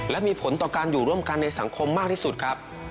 และมีผลต่อการอยู่ร่วมกันในสังคมมากที่สุดครับ